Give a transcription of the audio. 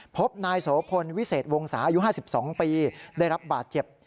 พบนายโสพลวิเศษวงศาอายุ๕๒ปีได้รับบาดเจ็บ